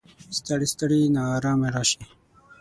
ستړی، ستړی ناارام راشي